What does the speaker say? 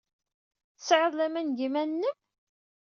Tesɛid laman deg yiman-nnem?